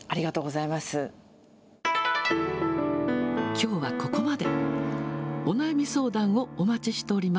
きょうはここまで。